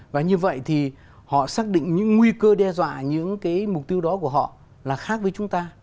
và như vậy thì họ xác định những nguy cơ đe dọa những cái mục tiêu đó của họ là khác với chúng ta